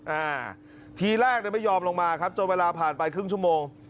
อ่าทีแรกเนี่ยไม่ยอมลงมาครับจนเวลาผ่านไปครึ่งชั่วโมง